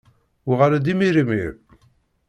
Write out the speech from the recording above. Uɣal-d imir imir!